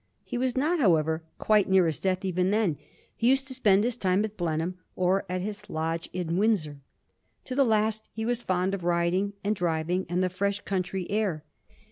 He was not, however, quite near his death even then. He used to spend his time at Blenheim, or at his lodge in Windsor. To the last he was fond of riding and driving and the fresh country air.